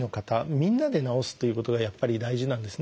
みんなで治すということがやっぱり大事なんですね。